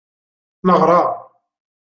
Neɣra.